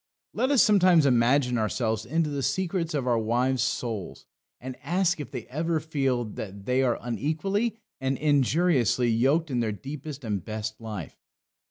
Let us sometimes imagine ourselves into the secrets of our wives' souls, and ask if they ever feel that they are unequally and injuriously yoked in their deepest and best life.